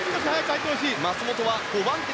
松元は５番手。